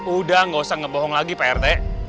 udah gak usah ngebohong lagi prt